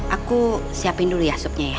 aku siapin dulu ya supnya ya